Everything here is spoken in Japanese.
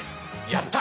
やった！